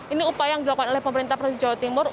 ini upaya yang dilakukan oleh pemerintah provinsi jawa timur